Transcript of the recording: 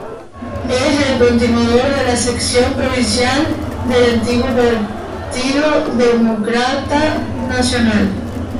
Es el continuador de la sección provincial del antiguo Partido Demócrata Nacional.